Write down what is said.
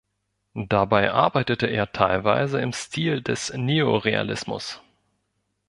Dabei arbeitete er teilweise im Stil des Neorealismus.